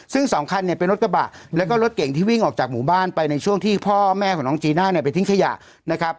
ซึ่งสองคันเนี่ยเป็นรถกระบะแล้วก็รถเก่งที่วิ่งออกจากหมู่บ้านไปในช่วงที่พ่อแม่ของน้องจีน่าเนี่ยไปทิ้งขยะนะครับ